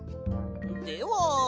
では。